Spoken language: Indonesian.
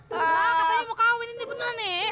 lah katanya mau kawin ini bener nih